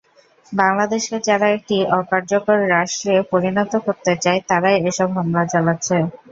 বাংলাদেশকে যারা একটি অকার্যকর রাষ্ট্রে পরিণত করতে চায়, তারাই এসব হামলা চালাচ্ছে।